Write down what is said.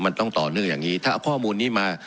มันต้องต่อเนื่องอย่างนี้ถ้าเอาข้อมูลนี้มา